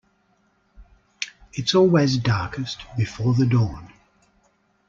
It's always darkest before the dawn.